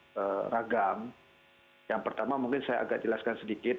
perkara yang agak ragam yang pertama mungkin saya agak jelaskan sedikit